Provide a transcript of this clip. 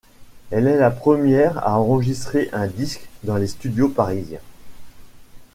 Elle est la première à enregistrer un disque dans des studios parisiens.